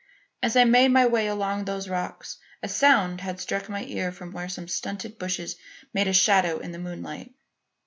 As I made my way along those rocks, a sound had struck my ear from where some stunted bushes made a shadow in the moonlight.